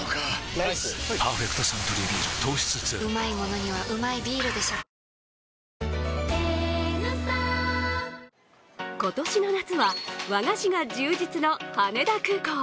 ライス「パーフェクトサントリービール糖質ゼロ」今年の夏は和菓子が充実の羽田空港。